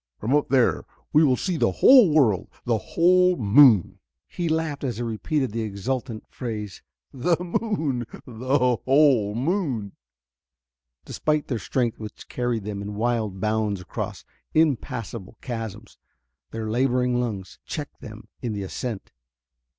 "From up there we will see the whole world the whole moon!" He laughed as he repeated the exultant phrase: "The moon the whole moon!" Despite their strength which carried them in wild bounds across impassable chasms, their laboring lungs checked them in the ascent.